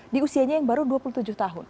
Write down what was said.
di usianya yang baru dua puluh tujuh tahun